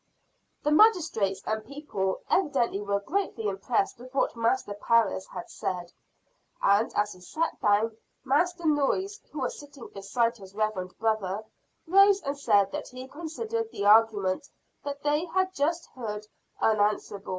The magistrates and people evidently were greatly impressed with what Master Parris had said. And, as he sat down, Master Noyes, who was sitting beside his reverend brother, rose and said that he considered the argument they had just heard unanswerable.